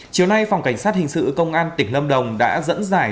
chiều nay phòng cảnh sát hình sự công an tỉnh lâm đồng đã dẫn giải